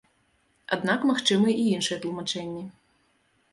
Аднак магчымы і іншыя тлумачэнні.